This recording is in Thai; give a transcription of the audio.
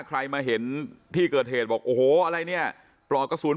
ใครมาเห็นที่เกิดเหตุบอกโอ้โหอะไรเนี่ยปลอกกระสุน